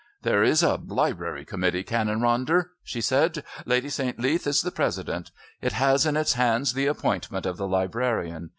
"There is a Library Committee, Canon Ronder," she said. "Lady St. Leath is the president. It has in its hands the appointment of the librarian.